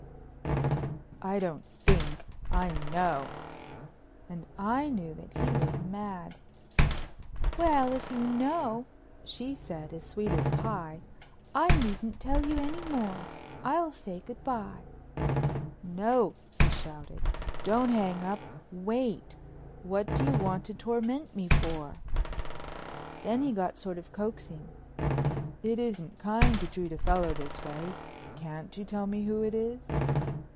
"I don't think, I know," and I knew that he was mad. "Well, if you know," she said as sweet as pie, "I needn't tell you any more. I'll say good bye." "No," he shouted, "don't hang up—wait. What do you want to torment me for?" Then he got sort of coaxing, "It isn't kind to treat a fellow this way. Can't you tell me who it is?"